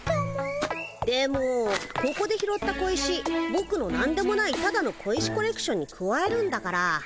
でもここで拾った小石ぼくのなんでもないただの小石コレクションにくわえるんだから。